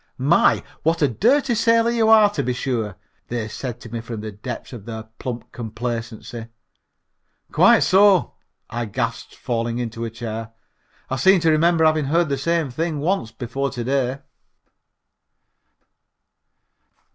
"My, what a dirty sailor you are, to be sure," they said to me from the depth of their plump complacency. "Quite so," I gasped, falling into a chair, "I seem to remember having heard the same thing once before to day."